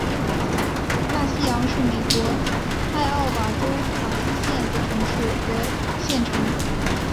大西洋是美国艾奥瓦州卡斯县的城市和县城。